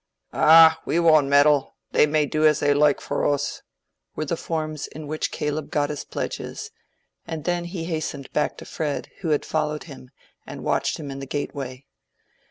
"Aw, we wooant meddle—they may do as they loike for oos"—were the forms in which Caleb got his pledges; and then he hastened back to Fred, who had followed him, and watched him in the gateway.